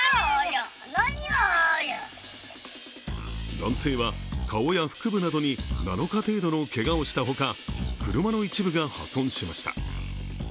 男性は、顔や腹部などに７日程度のけがをしたほか、車の一部が破損しました。